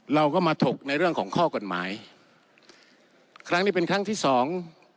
เราก็มาถกในเรื่องของข้อกฎหมายครั้งนี้เป็นครั้งที่สอง